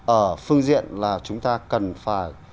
ở phương diện là chúng ta cần phải